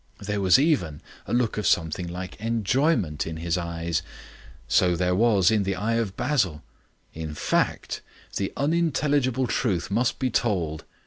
There was even a look of something like enjoyment in his eyes; so there was in the eye of Basil. In fact, the unintelligible truth must be told.